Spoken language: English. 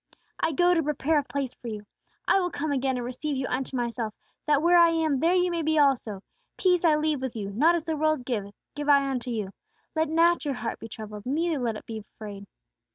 "I go to prepare a place for you. I will come again and receive you unto myself, that where I am there ye may be also.... Peace I leave with you.... Not as the world giveth, give I unto you. Let not your heart be troubled, neither let it be afraid."